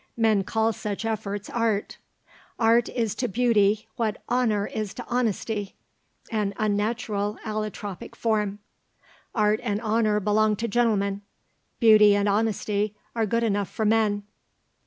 Men call such efforts art. Art is to beauty what honour is to honesty, an unnatural allotropic form. Art and honour belong to gentlemen; beauty and honesty are good enough for men."